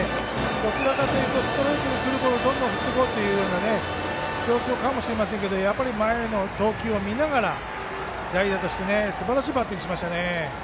どちらかというとストレートでくるボールをどんどん振っていこうという状況かもしれませんけど前の投球を見ながら代打として、すばらしいバッティングをしました。